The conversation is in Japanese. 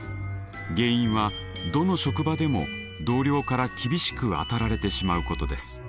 原因はどの職場でも同僚から厳しくあたられてしまうことです。